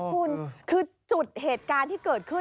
คุณคือจุดเหตุการณ์ที่เกิดขึ้น